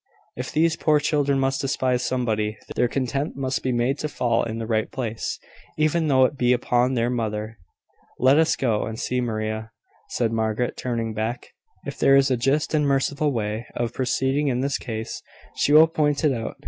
If these poor children must despise somebody, their contempt must be made to fall in the right place, even though it be upon their mother." "Let us go and see Maria," said Margaret, turning back. "If there is a just and merciful way of proceeding in this case, she will point it out.